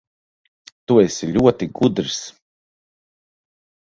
Tu esi ļoti gudrs.